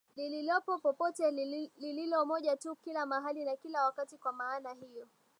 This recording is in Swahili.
lililopo popote lililo moja tu kila mahali na kila wakati Kwa maana hiyo